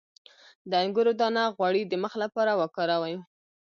د انګور دانه غوړي د مخ لپاره وکاروئ